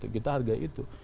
kita hargai itu